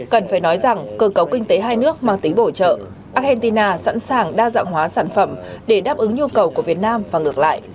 cần phải nói rằng cơ cấu kinh tế hai nước mang tính bổ trợ argentina sẵn sàng đa dạng hóa sản phẩm để đáp ứng nhu cầu của việt nam và ngược lại